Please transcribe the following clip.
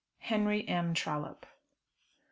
HENRY M. TROLLOPE.